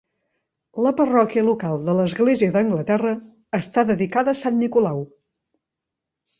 La parròquia local de l'Església d'Anglaterra està dedicada a Sant Nicolau.